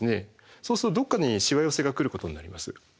そうするとどっかにしわ寄せが来ることになります。